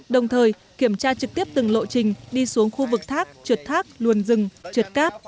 đồng thời kiểm tra trực tiếp từng lộ trình đi xuống khu vực thác trượt thác luồn rừng trượt cát